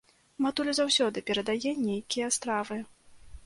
Матуля заўсёды перадае нейкія стравы.